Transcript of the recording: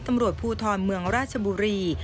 ตำรวจภูทรเมืองราชบุรี